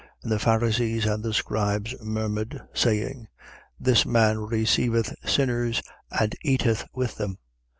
15:2. And the Pharisees and the scribes murmured, saying: This man receiveth sinners and eateth with them.